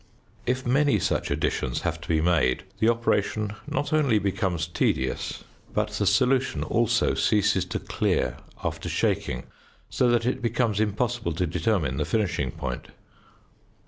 If many such additions have to be made the operation not only becomes tedious, but the solution also ceases to clear after shaking, so that it becomes impossible to determine the finishing point.